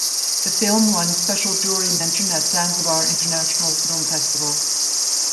The film won Special Jury Mention at Zanzibar International Film Festival.